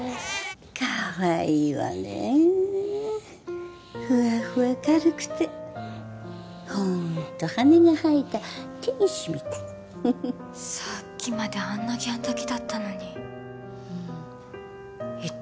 かわいいわねふわふわ軽くてホント羽が生えた天使みたいさっきまであんなギャン泣きだったのにうん一体